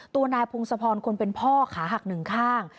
ตัวนายพงศพรคนเป็นพ่อขาหักหนึ่งข้าง